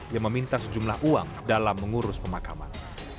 yang meminta sejumlah uang dalam mengurus pemakaman